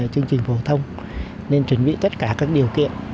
chương trình phổ thông nên chuẩn bị tất cả các điều kiện